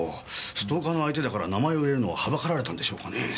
ストーカーの相手だから名前を入れるのを憚られたんでしょうかねぇ。